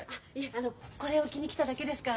あのこれ置きに来ただけですから。